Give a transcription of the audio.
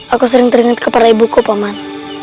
aku sering teringat kepada ibuku paman